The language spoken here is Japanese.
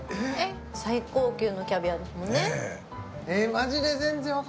最高級のキャビアですもんね